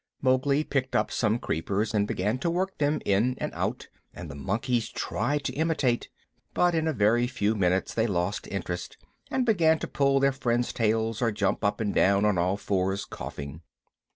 Mowgli picked up some creepers and began to work them in and out, and the monkeys tried to imitate; but in a very few minutes they lost interest and began to pull their friends' tails or jump up and down on all fours, coughing.